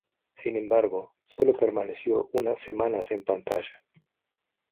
Sin embargo, sólo permaneció unas semanas en pantalla.